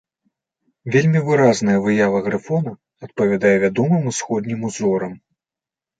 Вельмі выразная выява грыфона адпавядае вядомым усходнім узорам.